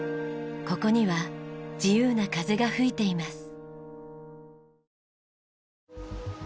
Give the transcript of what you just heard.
ここには自由な風が吹いています。